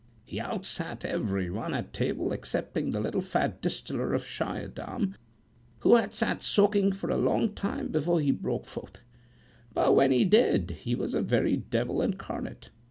He outsat every one at table excepting the little fat distiller of Schiedam, who had sat soaking for a long time before he broke forth; but when he did, he was a very devil incarnate.